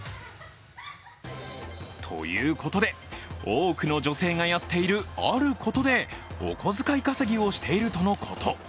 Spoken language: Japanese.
ということで、多くの女性がやっているあることで、お小遣い稼ぎをしているとのこと。